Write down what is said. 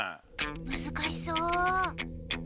むずかしそう。